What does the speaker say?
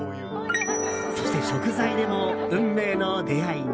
そして食材でも運命の出会いが。